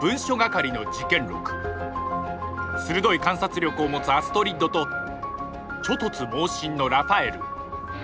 鋭い観察力を持つアストリッドとちょ突猛進のラファエル。